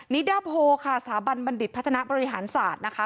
นิดาโพค่ะสถาบันบัณฑิตพัฒนาบริหารศาสตร์นะคะ